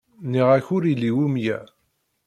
Nniɣ-ak ur illi umya.